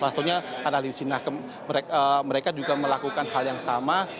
maksudnya anali di sini mereka juga melakukan hal yang sama